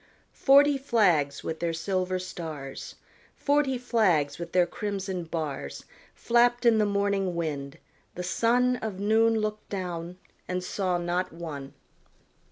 Forty flags with their silver stars, Forty flags with their crimson bars, Flapped in the morning wind; the sun Of noon looked down, and saw not one.